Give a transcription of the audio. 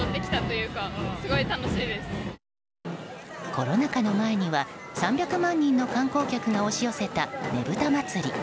コロナ禍の前には３００万人の観光客が押し寄せたねぶた祭。